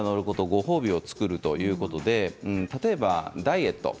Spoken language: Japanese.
ご褒美を作るということで例えばダイエット。